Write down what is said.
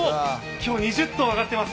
今日、３０頭揚がっています。